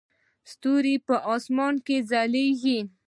ستوري په اسمان کې ځلیږي